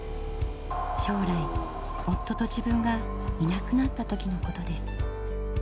将来夫と自分がいなくなった時のことです。